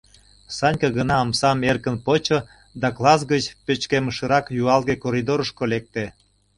Санька гына омсам эркын почо да класс гыч пычкемышрак юалге коридорышко лекте.